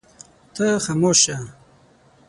ته خاموش شه.